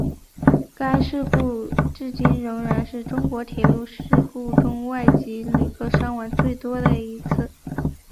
该事故至今仍然是中国铁路事故中外籍旅客伤亡最多的一次。